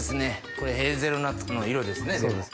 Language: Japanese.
これヘーゼルナッツの色ですね。